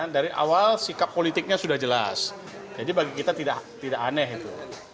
dari awal sikap politiknya sudah jelas jadi bagi kita tidak aneh itu